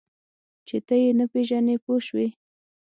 چې ته یې نه پېژنې پوه شوې!.